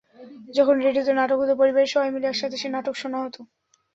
যখন রেডিওতে নাটক হতো, পরিবারের সবাই মিলে একসাথে সে নাটক শোনা হতো।